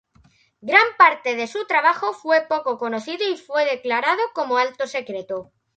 Gran parte de su trabajo fue poco conocido, y fue declarado como alto secreto.